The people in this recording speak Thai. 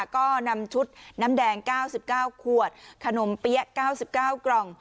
ก็นำชุดน้ำแดงเก้าสิบเก้าขวดขนมเปี๊ยะเก้าสิบเก้ากล่อง